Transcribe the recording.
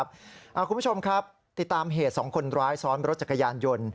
คุณผู้ชมครับติดตามเหตุสองคนร้ายซ้อนรถจักรยานยนต์